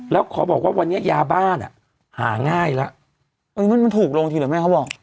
แล้วขอบอกว่าวันนี้ยาบ้านอ่ะหาง่ายแล้วมันถูกลงทีเหรอแม่เขาบอก